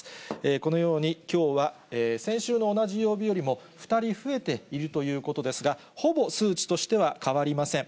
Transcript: このようにきょうは先週の同じ曜日よりも２人増えているということですが、ほぼ数値としては変わりません。